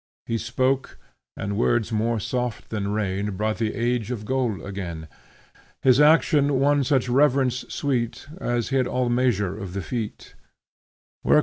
He spoke, and words more soft than rain Brought the Age of Gold again: His action won such reverence sweet, As hid all measure of the feat.